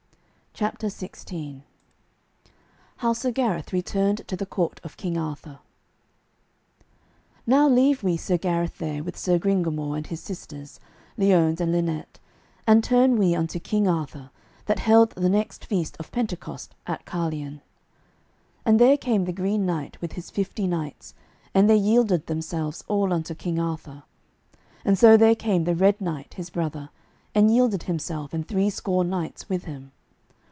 CHAPTER XVI HOW SIR GARETH RETURNED TO THE COURT OF KING ARTHUR Now leave we Sir Gareth there with Sir Gringamore and his sisters, Liones and Linet, and turn we unto King Arthur that held the next feast of Pentecost at Carlion. And there came the Green Knight with his fifty knights, and they yielded themselves all unto King Arthur. And so there came the Red Knight, his brother, and yielded himself and three score knights with him.